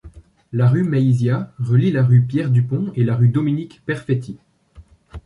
La rue Maisiat relie la rue Pierre-Dupont et la rue Dominique-Perfetti.